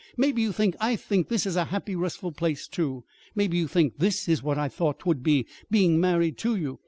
Maybe you think I think this is a happy, restful place, too! Maybe you think this is what I thought 'twould be being married to you!